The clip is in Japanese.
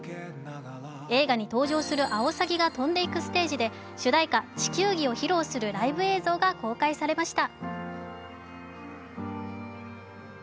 映画に登場するアオサギが飛んでいくステージで主題歌「地球儀」を披露するライブ映像が公開されました。